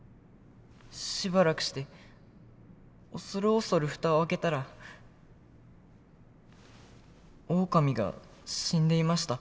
しばらくして恐る恐る蓋を開けたらオオカミが死んでいました。